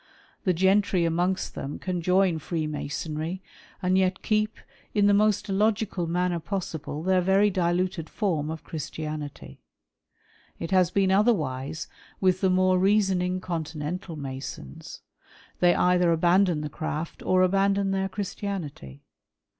The gentry amongst them can join Freemasonry and yet keep, in the most illogical manner possible, their very diluted form of Christianity. It has been otherwise with the more reasoning Continental Masons. They either abandon the Craft or abandon their Christianity.